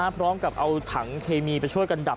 พร้อมกับเอาถังเคมีไปช่วยกันดับ